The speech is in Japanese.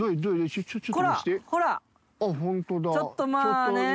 ちょっとまぁね。